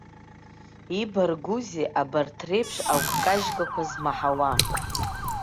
Ибаргәузеи абарҭ реиԥш агәкажьгақәа змаҳауа?